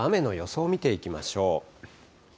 では雨の予想を見ていきましょう。